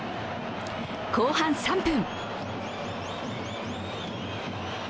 後半３分。